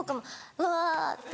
「うわ」って。